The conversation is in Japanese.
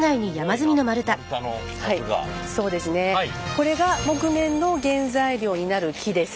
これが木毛の原材料になる木です。